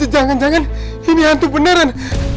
jangan jangan ini hantu beneran